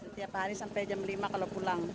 setiap hari sampai jam lima kalau pulang